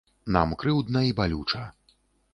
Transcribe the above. Нам крыўдна і балюча.